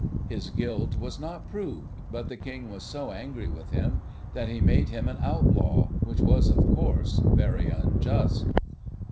His guilt was not proved, but the King was so angry with him that he made him an outlaw, which was, of course, very unjust.